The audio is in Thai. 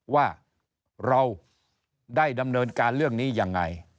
ว่าเราได้ดำเนินการเรื่องนี้ยังไง